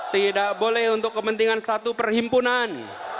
tidak boleh untuk kepentingan satu perhimpunan